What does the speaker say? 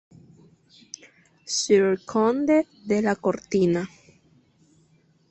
Sr. Conde de la Cortina.